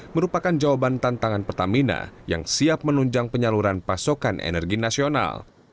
merupakan jawaban tantangan pertamina yang siap menunjang penyaluran pasokan energi nasional